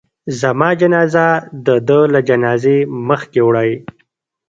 زما جنازه د ده له جنازې مخکې وړئ.